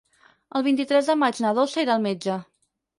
El vint-i-tres de maig na Dolça irà al metge.